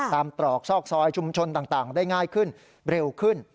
ตรอกซอกซอยชุมชนต่างได้ง่ายขึ้นเร็วขึ้น